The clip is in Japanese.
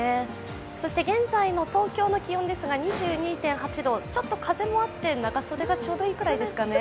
そして現在の東京の気温ですが２２．８度、ちょっと風もあって長袖がちょうどいいくらいですね。